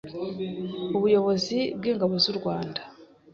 Ubuyobozi bw’Ingabo z’u Rwanda